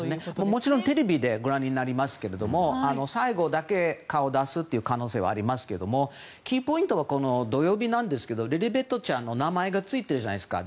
もちろんテレビでご覧になりますけども最後だけ顔を出すという可能性はありますけれどもキーポイントは土曜日なんですがリリベットちゃんの名前がついてるじゃないですか。